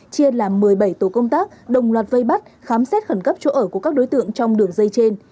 chia làm một mươi bảy tổ công tác đồng loạt vây bắt khám xét khẩn cấp chỗ ở của các đối tượng trong đường dây trên